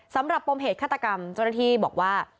สำหรับปมเหตุฆาตกรรมจริงที่บอกว่า